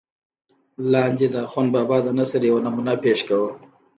لاندې دَاخون بابا دَنثر يوه نمونه پېش کوم